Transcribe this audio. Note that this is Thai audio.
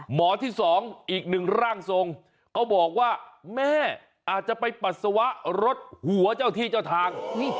หมอที่๒อีกหนึ่งร่างทรงเขาบอกว่าแม่อาจจะไปปัสสาวะรถหัวเจ้าที่เจ้าทาง